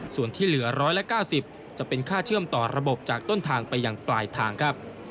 ส่วนที่เหลือ๑๙๐จะเป็นค่าเชื่อมต่อระบบจากต้นทางไปอย่างปลายทางครับ